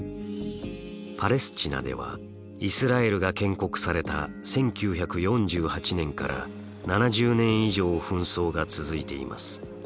パレスチナではイスラエルが建国された１９４８年から７０年以上紛争が続いています。